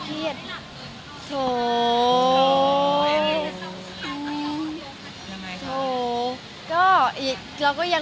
มีปิดฟงปิดไฟแล้วถือเค้กขึ้นมา